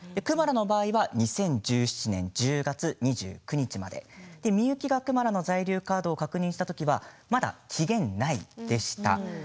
クマラの場合は２０１７年１０月２９日までミユキがクマラの在留カードを確認した時はまだ期限内でした。